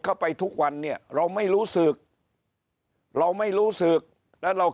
เข้าไปทุกวันเนี่ยเราไม่รู้สึกเราไม่รู้สึกแล้วเรา